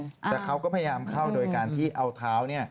แต่เขาก็พยายามเข้าโดยการที่เอาเท้าเนี่ย